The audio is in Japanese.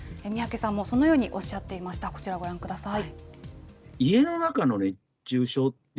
三宅さんもそのようにおっしゃっていました、こちらご覧ください。